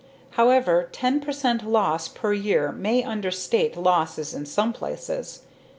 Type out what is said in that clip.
However, 10 percent loss per year may understate losses in some places.